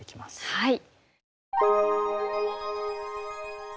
はい。